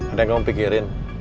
ada yang kamu pikirin